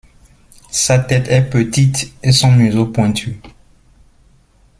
Sa tête est petite et son museau pointu.